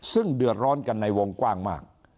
ซึ่งเดือดร้อนกันในวงกว้างมาก